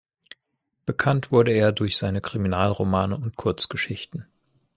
Bekannt wurde er durch seine Kriminalromane und Kurzgeschichten.